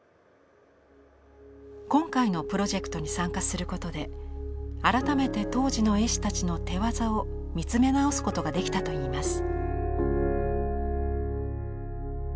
今回のプロジェクトに参加することで改めて当時の絵師たちの手業を見つめ直すことができたといいます。